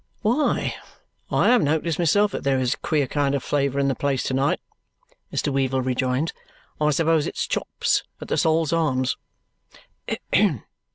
"Why, I have noticed myself that there is a queer kind of flavour in the place to night," Mr. Weevle rejoins. "I suppose it's chops at the Sol's Arms."